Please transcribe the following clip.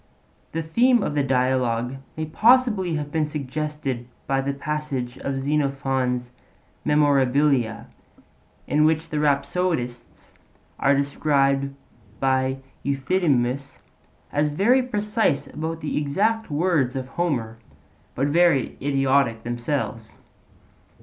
The theme of the Dialogue may possibly have been suggested by the passage of Xenophon's Memorabilia in which the rhapsodists are described by Euthydemus as 'very precise about the exact words of Homer, but very idiotic themselves.'